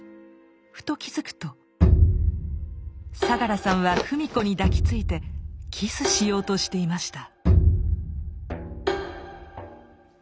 ふと気付くと相良さんは芙美子に抱きついてキスしようとしていました。